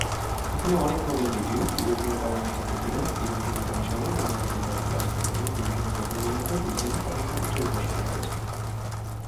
এখানে অনেক নোবেল বিজয়ী, ইউরোপিয়ান পার্লামেন্টের প্রেসিডেন্ট, ইউরোপিয়ান কমিশনার, নানারকম দেশের রাষ্ট্রপ্রধান, গুরুত্বপূর্ণ ধর্মীয় নেতা, বৈজ্ঞানিক এবং নভোচারী পড়াশোনা করেছেন।